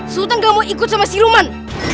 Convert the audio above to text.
sultan gak mau ikut sama siluman